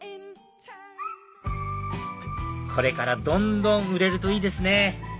これからどんどん売れるといいですね